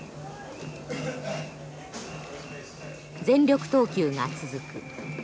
全力投球が続く。